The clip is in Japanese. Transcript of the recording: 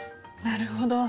なるほど。